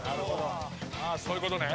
ああそういう事ね。